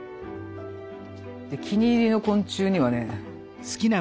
気に入りの昆虫にはね。